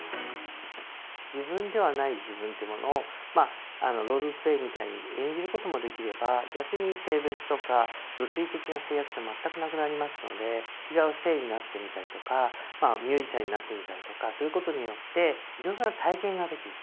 自分ではない自分というものをロールプレイみたいに演じることもできれば逆に性別とか物理的な制約って全くなくなりますので違う性になってみたりとかミュージシャンになってみたりとかすることによっていろいろな体験ができる。